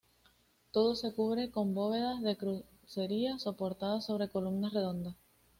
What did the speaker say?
Todo se cubre con bóvedas de crucería soportadas sobre columnas redondas.